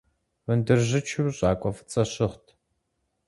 Вындыржьычу щӏакӏуэ фӏыцӏэ щыгът.